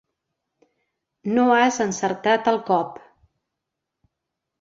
No has encertat el cop!